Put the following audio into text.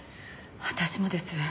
私もです。